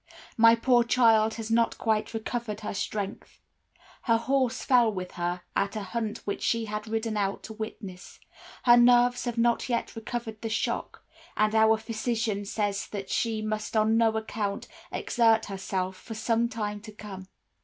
My poor child has not quite recovered her strength. Her horse fell with her, at a hunt which she had ridden out to witness, her nerves have not yet recovered the shock, and our physician says that she must on no account exert herself for some time to come.